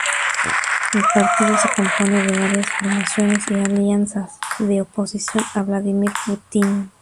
El partido se compone de varias formaciones y alianzas de oposición a Vladimir Putin.